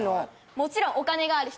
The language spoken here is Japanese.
もちろんお金がある人です